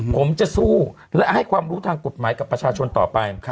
ผมจะสู้และให้ความรู้ทางกฎหมายกับประชาชนต่อไป